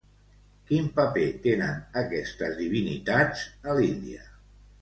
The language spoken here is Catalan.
Quin paper tenen aquestes divinitats a l'Índia?